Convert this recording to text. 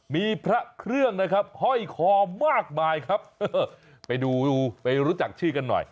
มีพระเครื่องนะครับห้อยคอมากมายครับเออไปดูไปรู้จักชื่อกันหน่อย